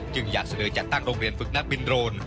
อยากเสนอจัดตั้งโรงเรียนฝึกนักบินโรน